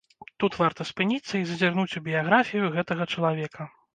Тут варта спыніцца і зазірнуць у біяграфію гэтага чалавека.